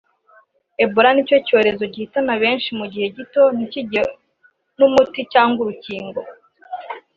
Ebola ni cyo cyorezo gihitana benshi mu gihe gito ntikigire n’umuti cyangwa urukingo